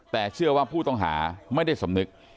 แต่เชื่อว่าผู้ต้องหาไม่ได้สำนึก